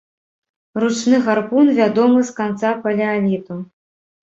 Ручны гарпун вядомы з канца палеаліту.